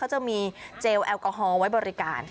เขาจะมีเจลแอลกอฮอล์ไว้บริการ